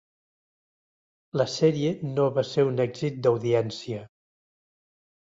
La sèrie no va ser un èxit d'audiència.